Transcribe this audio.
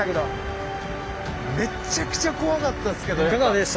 めっちゃくちゃ怖かったっすけど。